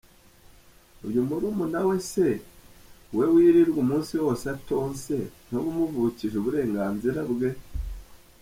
Uyu murumuna we se we wirirwa umunsi wose atonse ntuba umuvukije uburenganzira bwe ?